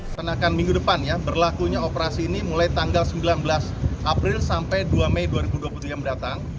karena akan minggu depan ya berlakunya operasi ini mulai tanggal sembilan belas april sampai dua mei dua ribu dua puluh tiga yang beratang